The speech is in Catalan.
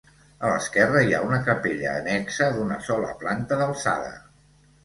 A l'esquerra hi ha una capella annexa d'una sola planta d'alçada.